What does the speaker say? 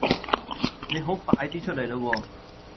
你好快啲出嚟啦喎